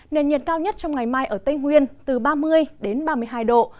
nền nhiệt cao nhất trong ngày mai ở tây nguyên từ ba mươi đến ba mươi hai độ